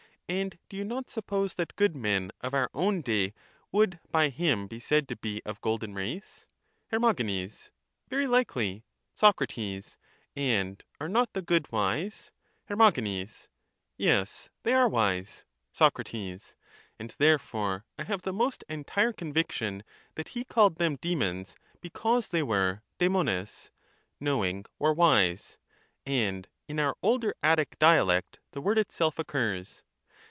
And do you not suppose that good men of our own day would by him be said to be of golden race? Her. Very likely. Soc. And are not the good wise? Her. Yes, they are wise. Soc. And therefore I have the most entire conviction that he called them demons, because they were darjiiove^ (knowing or wise), and in our older Attic dialect the word itself occurs.